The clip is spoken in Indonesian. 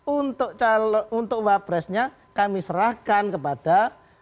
untuk wapresnya kami serahkan kepada